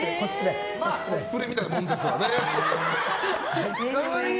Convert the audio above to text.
コスプレみたいなもんですかね。